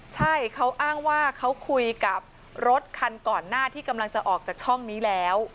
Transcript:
ใช่เขาอ้างว่าเขาคุยกับรถคันก่อนหน้าที่กำลังจะออกจากช่องนี้แล้ว